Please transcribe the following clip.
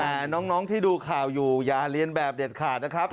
แต่น้องที่ดูข่าวอยู่อย่าเรียนแบบเด็ดขาดนะครับ